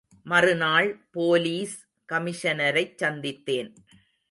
மறுநாள் போலீஸ் கமிஷனரைச் சந்தித்தேன்.